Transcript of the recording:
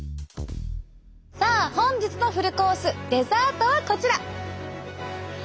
さあ本日のフルコースデザートはこちら！